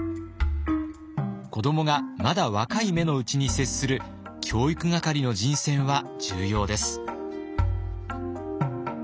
子どもがまだ若い芽のうちに接する教育係の人選は重要です。